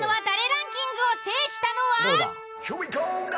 ランキングを制したのは。